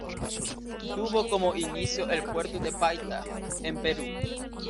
Tuvo como inicio el puerto de Paita, en Perú.